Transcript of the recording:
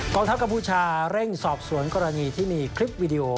ทัพกัมพูชาเร่งสอบสวนกรณีที่มีคลิปวิดีโอ